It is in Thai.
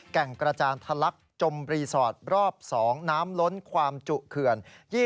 แก่งกระจานทะลักจมรีสอร์ทรอบ๒น้ำล้นความจุเขื่อน